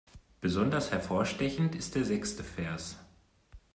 Besonders hervorstechend ist der sechste Vers.